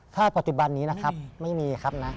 ถ้าปัจจุบันนี้นะครับไม่มีครับนะ